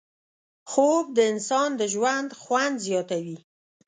خوب د انسان د ژوند خوند زیاتوي